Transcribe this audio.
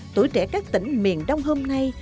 tuổi trẻ các tỉnh miền đông hôm nay